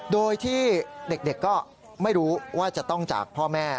โดยที่เด็กก็ไม่รู้ว่าจะต้องจากพ่อแม่